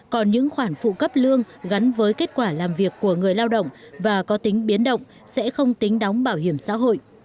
còn những khoản phụ cấp lương gắn với kết quả làm việc của người lao động và có tính biến động sẽ không tính đóng bảo hiểm xã hội